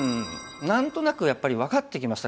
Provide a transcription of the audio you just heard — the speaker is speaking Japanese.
何となくやっぱり分かってきました。